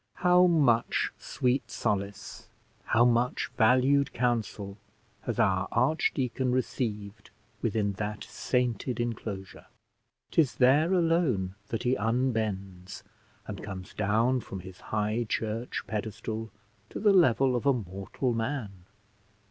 How much sweet solace, how much valued counsel has our archdeacon received within that sainted enclosure! 'Tis there alone that he unbends, and comes down from his high church pedestal to the level of a mortal man.